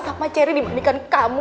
sama cherry dimanikan kamu